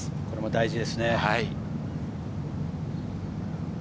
大事ですね。